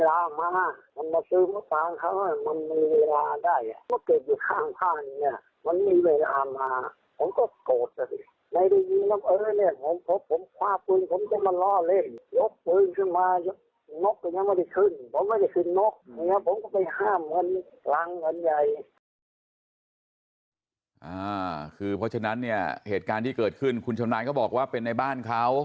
เพราะฉะนั้นเนี่ยเหตุการณ์ที่เกิดขึ้นคุณชำนาญเขาบอกว่าเป็นในบ้านเขา